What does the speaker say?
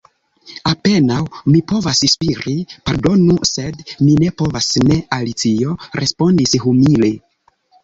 "Apenaŭ mi povas spiri." "Pardonu, sed mi ne povas ne," Alicio respondis humile.